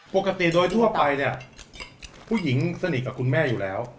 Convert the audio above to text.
ปกติโดยทั่วไปเนี่ยผู้หญิงสนิทกับคุณแม่อยู่แล้ว